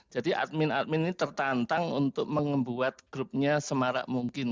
jadi admin admin ini tertantang untuk membuat klubnya semarak mungkin